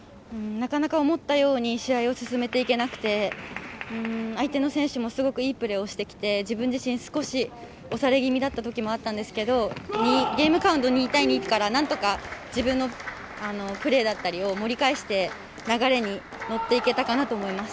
なかなか思ったように試合を進めていけなくて相手の選手もすごくいいプレーをしてきて自分自身、少し押され気味だった時もあったんですけどゲームカウント２対２から何とか自分のプレーだったりを盛り返して流れに乗っていけたかなと思います。